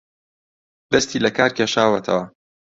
دەستی لەکار کێشاوەتەوە